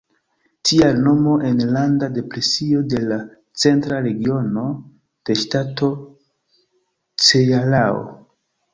Tial nomo "Enlanda Depresio" de la centra regiono de ŝtato Cearao.